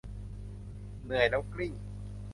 เหนื่อยแล้วกลิ้ง